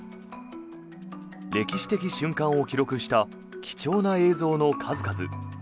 歴史的瞬間を記録した貴重な映像の数々。